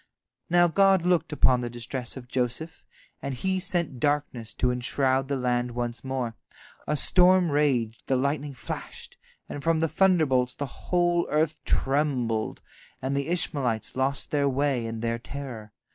Now God looked upon the distress of Joseph, and He sent darkness to enshroud the land once more. A storm raged, the lightning flashed, and from the thunderbolts the whole earth trembled, and the Ishmaelites lost their way in their terror.